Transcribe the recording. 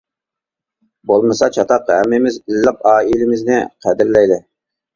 بولمىسا چاتاق. ھەممىمىز ئىللىق ئائىلىمىزنى قەدىرلەيلى!